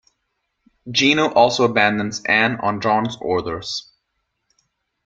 Gino also abandons Ann on John's orders.